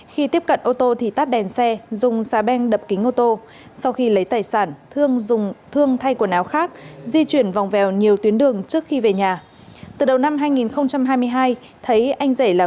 khi tiếp cận ô tô thì tắt đèn xe dùng xa beng đập kính ô tô sau khi lấy tài sản thương thay quần áo khác di chuyển vòng vèo nhiều tuyến đường trước khi về nhà